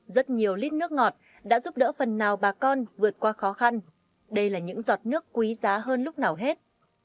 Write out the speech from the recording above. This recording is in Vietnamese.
rất nhiều lít nước ngọt đã giúp đỡ phần nào bà con vượt qua khó khăn đây là những giọt nước quý giá hơn lúc nào hết